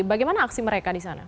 bagaimana aksi mereka di sana